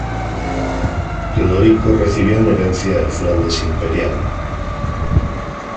Teodorico recibió en herencia el Flandes imperial.